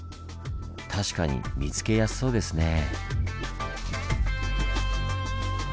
確かに見つけやすそうですねぇ。